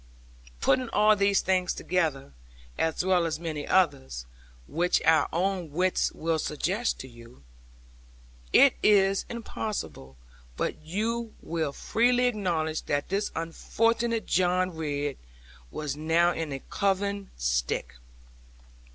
Putting all these things together, as well as many others, which your own wits will suggest to you, it is impossible but what you will freely acknowledge that this unfortunate John Ridd was now in a cloven stick.